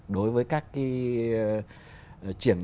đối với các doanh nghiệp